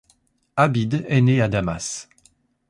Abid est né à Damas.